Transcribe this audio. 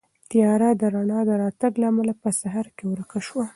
تیاره د رڼا د راتګ له امله په سهار کې ورکه شوه.